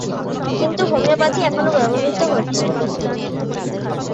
কিন্তু হোমিওপ্যাথি এখনো ব্যবহৃত হচ্ছে।